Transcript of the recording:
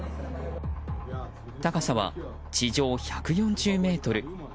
高さは地上１４０ｍ。